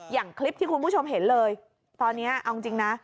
อย่างคลิปที่คุณผู้ชมเห็นเลยตอนนี้เอาจริงนะ